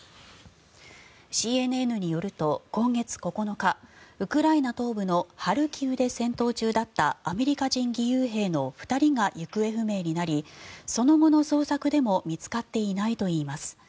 ＣＮＮによると今月９日ウクライナ東部のハルキウで戦闘中だったアメリカ人義勇兵の２人が行方不明になりその後の捜索でも見つかっていないといいます。